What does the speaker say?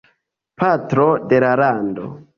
Patro de la Lando.